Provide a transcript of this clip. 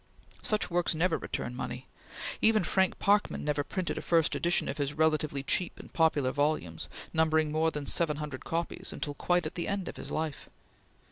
Such works never return money. Even Frank Parkman never printed a first edition of his relatively cheap and popular volumes, numbering more than seven hundred copies, until quite at the end of his life.